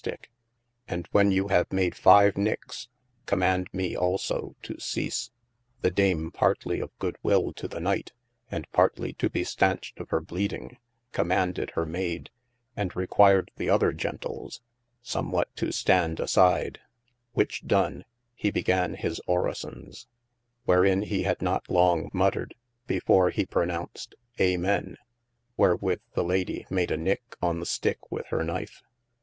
sticke : and when you have made five nickes, commaunde mee also to cease. The Dame partly of good will to the Knight, and partly to be stenched of hir bleeding, commaunded hir mayde, and required the other Gentils, somewhat to stande aside: whiche done, he began his Oraisons, wherein he had not long muttered before he pronounced Amen, wherwith the Lady made a nicke on the sticke with hir knyfe.